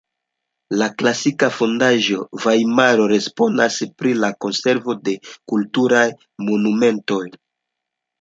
La klasika fondaĵo Vajmaro responsas pri la konservo de kulturaj monumentoj.